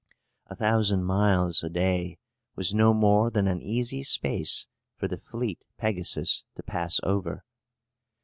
A thousand miles a day was no more than an easy space for the fleet Pegasus to pass over.